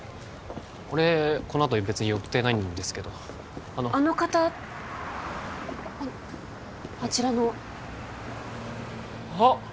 俺このあと別に予定ないんですけどあの方あちらのあっ！